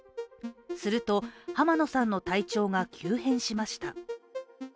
すると、濱野さんの体調が急変しました。